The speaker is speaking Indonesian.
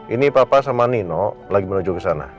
ini papa sama nino lagi menuju kesana